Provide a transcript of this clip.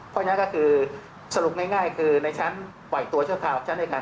ค่อยนั้นก็คือสรุปง่ายคือในชั้นไหวตัวช่วยค้าหลักทรัพย์ในจ้าง